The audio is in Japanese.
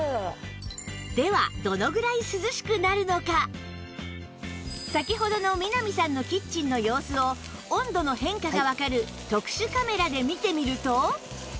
では先ほどの南さんのキッチンの様子を温度の変化がわかる特殊カメラで見てみると